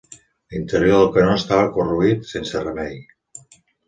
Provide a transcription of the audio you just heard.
L'interior del canó estava corroït sense remei.